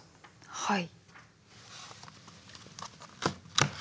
はい。